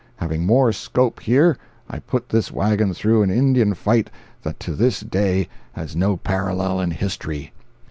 Having more scope here, I put this wagon through an Indian fight that to this day has no parallel in history.